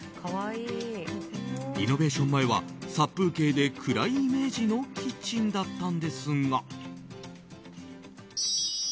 リノベーション前は殺風景で、暗いイメージのキッチンだったんですが。